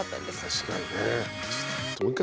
確かにね。